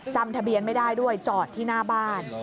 จำทะเบียนไม่ได้ด้วยจอดที่หน้าบ้าน